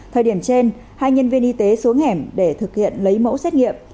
thời điểm trên hai nhân viên y tế xuống hẻm để thực hiện lấy mẫu xét nghiệm